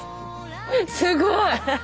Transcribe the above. すごい！